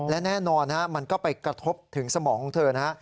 และแน่นอนมันก็ไปกระทบถึงสมองของเธอนะฮะ